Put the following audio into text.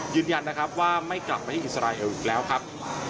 ยืนยันนะครับว่าไม่กลับมาที่อิสราเอลอีกแล้วครับ